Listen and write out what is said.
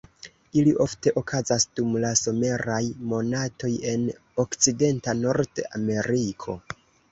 Ili ofte okazas dum la someraj monatoj en okcidenta Nord-Ameriko.